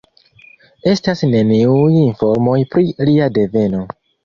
Estas neniuj informoj pri lia deveno.